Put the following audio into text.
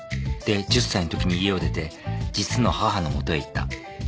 で１０歳のときに家を出て実の母の元へ行った。